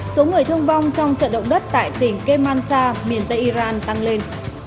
số người thương vong trong trận động đất tại tỉnh kemansa miền tây iran tăng lên